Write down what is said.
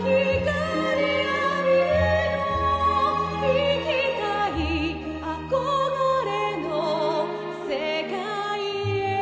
「いきたい憧れの世界へ」